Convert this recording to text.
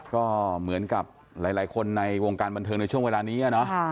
ก็เหมือนกับหลายคนในวงการบันเทิงในช่วงเวลานี้